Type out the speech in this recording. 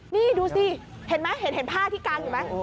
นี่ดูสิเห็นไหมเห็นผ้าที่กางอยู่ไหม